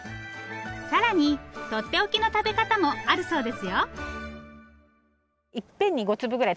更にとっておきの食べ方もあるそうですよ！